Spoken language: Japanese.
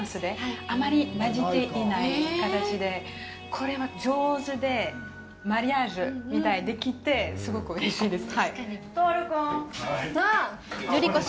これは上手で、マリアージュみたいにできて、すごくおいしいです。